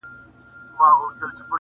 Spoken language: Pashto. o مینېږم زما فطرت عاشقانه دی,